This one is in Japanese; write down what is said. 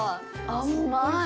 あんまい。